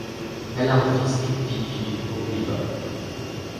Elle a un fils et une fille qui vivent aux Pays-Bas.